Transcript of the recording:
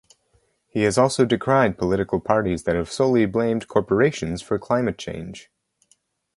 He has also decried political parties that have solely blamed corporations for climate change.